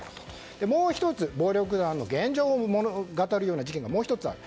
もう１つ、暴力団の現状を物語るような事件がある。